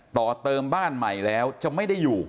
ต่อเติมบ้านใหม่แล้วจะไม่ได้อยู่